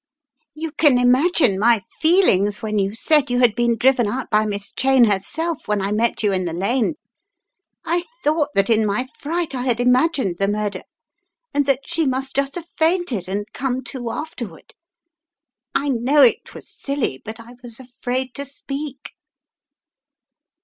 "You can imagine my feelings when you said you had been driven out by Miss Cheyne herself when I met you in the lane. I thought that in my fright I had imagined the murder and that she must just have fainted and come to afterward. I know it I was silly, but I was afraid to speak."